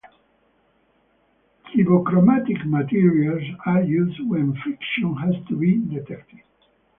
Tribochromatic materials are used when friction has to be detected.